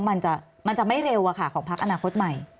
มันจะไม่เร็วของพักอนาคตใหม่